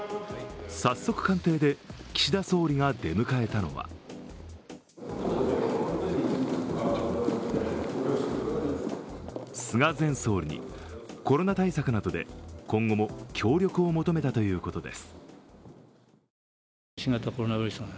早速官邸で岸田総理が出迎えたのは菅前総理がコロナ対策などで、今後も協力を求めたということです。